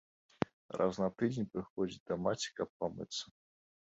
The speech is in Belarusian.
Раз на тыдзень прыходзіць да маці, каб памыцца.